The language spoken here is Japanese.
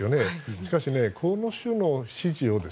しかし、この種の指示を。